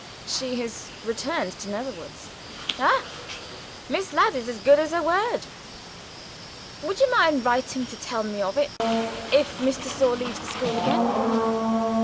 "She has returned to Netherwoods." "Aha! Miss Ladd is as good as her word. Would you mind writing to tell me of it, if Miss de Sor leaves the school again?